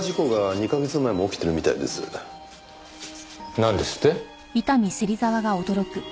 なんですって？